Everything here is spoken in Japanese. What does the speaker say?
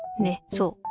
そう。